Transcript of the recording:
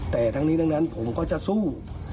แต่ทั้งนี้ทั้งนั้นผมก็จะสู้